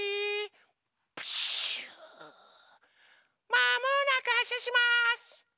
まもなくはっしゃします。